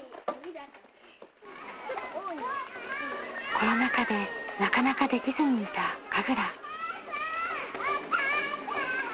コロナ禍でなかなかできずにいた神楽。